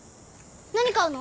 何買うの？